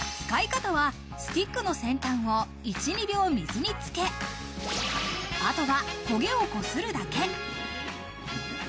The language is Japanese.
使い方は、スティックの先端を１２秒水につけ、あとは焦げをこするだけ。